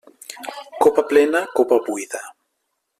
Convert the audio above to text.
Copa plena, copa buida.